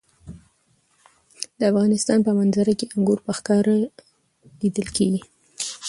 د افغانستان په منظره کې انګور په ښکاره لیدل کېږي.